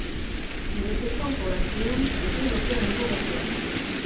Il était temps pour la firme de développer un nouveau moteur.